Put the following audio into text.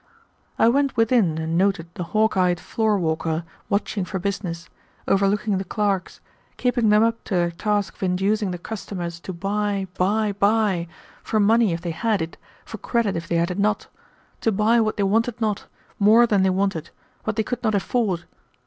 I went within and noted the hawk eyed floor walker watching for business, overlooking the clerks, keeping them up to their task of inducing the customers to buy, buy, buy, for money if they had it, for credit if they had it not, to buy what they wanted not, more than they wanted, what they could not afford.